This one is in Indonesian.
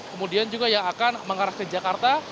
kemudian juga yang akan mengarah ke jakarta